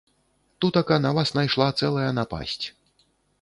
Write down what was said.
Тутака на вас найшла цэлая напасць.